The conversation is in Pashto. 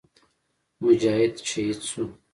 مجاهد شهید شو.